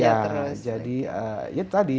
ya jadi ya tadi